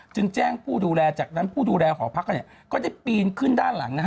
จึงแจ้งผู้ดูแลจากนั้นผู้ดูแลหอพักก็ได้ปีนขึ้นด้านหลัง